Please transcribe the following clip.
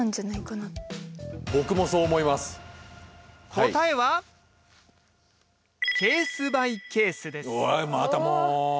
答えはおいまたもう。